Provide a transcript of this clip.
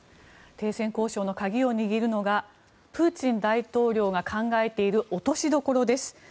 停戦交渉の鍵を握るのがプーチン大統領が考えている落としどころです。